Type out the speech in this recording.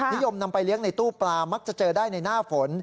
นิยมนำไปเลี้ยงในตู้ปลามักจะเจอได้ในหน้าฝน